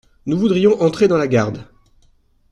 »Nous voudrions entrer dans la garde.